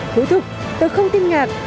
thú thục tôi không tin ngạc